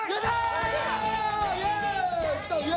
きた！